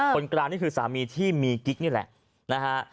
คนกลางคือสามีที่มีกิ๊กนี่แหละ